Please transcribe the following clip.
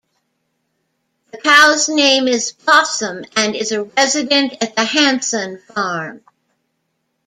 The cow's name is Blosom and is a resident at the Hanson Farm.